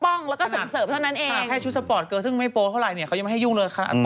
เพราะเฉพาะเมื่อพี่โดยไม่ให้ยุ่งเลยอัตโตขนาดนี้เขาจะยุ่งได้เป็นไง